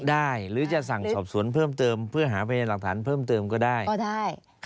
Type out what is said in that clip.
หรือจะสั่งสอบสวนเพิ่มเติมเพื่อหาพยานหลักฐานเพิ่มเติมก็ได้ก็ได้